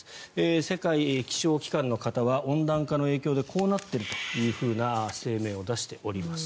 世界気象機関の方は温暖化の影響でこうなっているという声明を出しております。